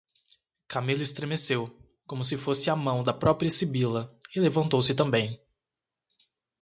Camilo estremeceu, como se fosse a mão da própria sibila, e levantou-se também.